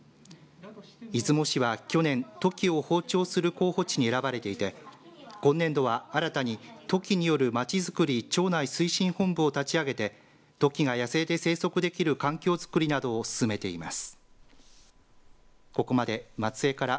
出雲市は去年トキを放鳥する候補地に選ばれていて今年度は新たにトキによるまちづくり庁内推進本部を立ち上げてトキが野生で生息できる環境づくりなどを進めています。